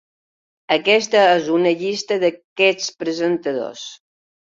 Aquesta és una llista d'aquests presentadors.